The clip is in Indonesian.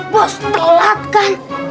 bos telat kan